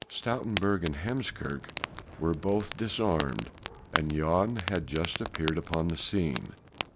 Stoutenburg and Heemskerk were both disarmed and Jan had just appeared upon the scene.